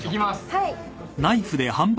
はい。